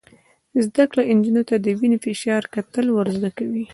زده کړه نجونو ته د وینې فشار کتل ور زده کوي.